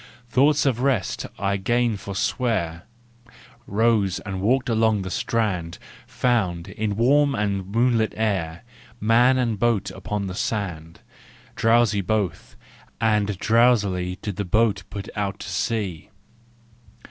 Thoughts of rest I 'gan forswear, Rose and walked along the strand, Found, in warm and moonlit air, Man and boat upon the sand, Drowsy both, and drowsily Did the boat put out to sea.